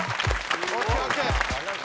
ＯＫＯＫ！